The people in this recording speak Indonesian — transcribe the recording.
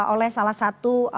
oleh salah satu